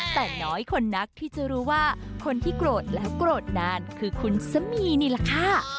แต่น้อยคนนักที่จะรู้ว่าคนที่โกรธแล้วโกรธนานคือคุณสมีนี่แหละค่ะ